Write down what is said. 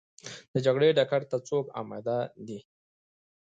د جګړې ډګر ته څوک اماده دي؟